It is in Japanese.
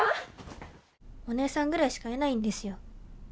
おねえさんぐらいしかいないんですよ